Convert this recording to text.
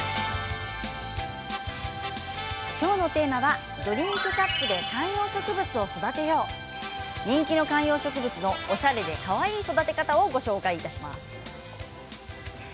きょうのテーマはドリンクカップで観葉植物を育てよう、人気の観葉植物のおしゃれでかわいい育て方をご紹介します。